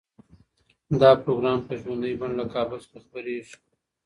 دا پروګرام په ژوندۍ بڼه له کابل څخه خپریږي.